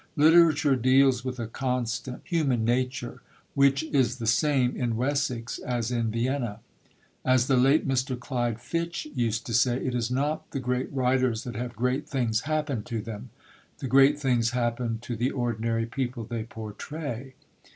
Literature deals with a constant human nature, which is the same in Wessex as in Vienna. As the late Mr. Clyde Fitch used to say, it is not the great writers that have great things happen to them; the great things happen to the ordinary people they portray.